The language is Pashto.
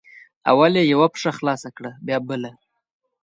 اول یې یوه پښه خلاصه کړه بیا بله